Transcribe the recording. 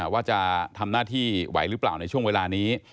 ว่าจะทำหน้าที่ไหวหรือเปล่าในช่วงเวลานี้